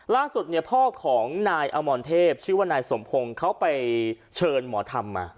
ล่าสุดเนี่ยพ่อของนายอมรเทพชื่อว่านายสมพงศ์เขาไปเชิญหมอธรรมมา